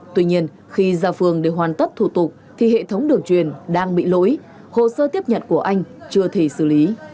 tuy nhiên khi ra phường để hoàn tất thủ tục thì hệ thống đường truyền đang bị lỗi hồ sơ tiếp nhận của anh chưa thể xử lý